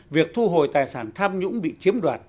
việc thu hồi tài sản tham nhũng bị chiếm đoạt